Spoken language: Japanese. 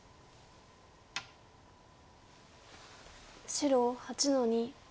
白８の二。